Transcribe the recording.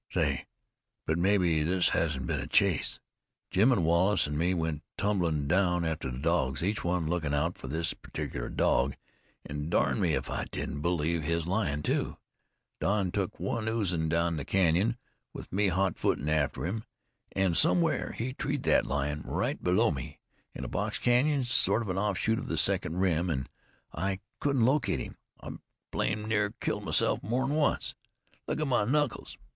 "Say! but mebbe this hasn't been a chase! Jim and Wallace an' me went tumblin' down after the dogs, each one lookin' out for his perticilar dog, an' darn me if I don't believe his lion, too. Don took one oozin' down the canyon, with me hot footin' it after him. An' somewhere he treed thet lion, right below me, in a box canyon, sort of an offshoot of the second rim, an' I couldn't locate him. I blamed near killed myself more'n once. Look at my knuckles!